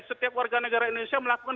setiap warga negara indonesia melakukan